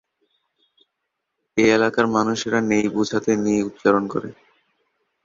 এ এলাকার মানুষেরা নেই বুঝাতে ‘নি’ উচ্চারণ করে।